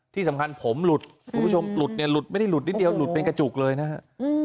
ที่สำคัญผมหลุดลดเป็นกระจุกเลยนะครับ